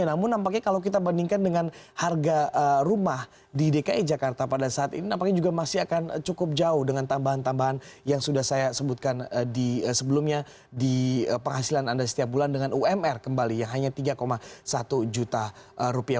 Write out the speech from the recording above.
namun nampaknya kalau kita bandingkan dengan harga rumah di dki jakarta pada saat ini nampaknya juga masih akan cukup jauh dengan tambahan tambahan yang sudah saya sebutkan sebelumnya di penghasilan anda setiap bulan dengan umr kembali yang hanya tiga satu juta rupiah